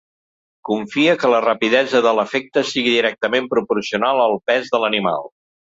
Confia que la rapidesa de l'efecte sigui directament proporcional al pes de l'animal.